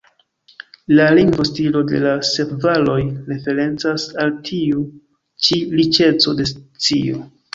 La lingvo-stilo de la "Sep Valoj" referencas al tiu ĉi riĉeco de scio.